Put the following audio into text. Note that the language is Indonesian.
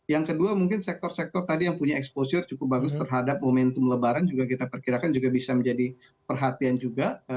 yang kedua mungkin sektor sektor tadi yang punya exposure cukup bagus terhadap momentum lebaran juga kita perkirakan juga bisa menjadi perhatian juga